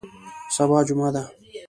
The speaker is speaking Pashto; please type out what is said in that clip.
سبا جمعه ده